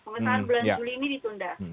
pengesahan bulan juli ini ditunda